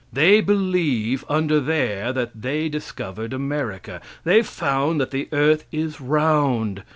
They believe, under there that they discovered America. They found that the earth is round.